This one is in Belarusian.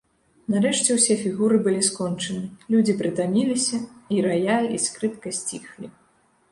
Нарэшце ўсе фігуры былі скончаны, людзі прытаміліся, і раяль і скрыпка сціхлі.